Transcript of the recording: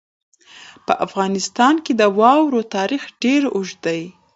په افغانستان کې د واورو تاریخ ډېر اوږد دی.